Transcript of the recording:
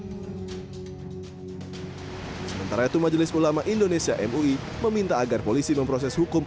sementara itu majelis ulama indonesia mui meminta agar polisi memproses hukum